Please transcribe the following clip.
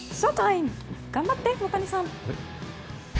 頑張って、大谷さん！